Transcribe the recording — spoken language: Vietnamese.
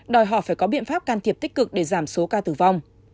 đòi hỏi phải có biện pháp can thiệp tích cực để giảm số ca tử vong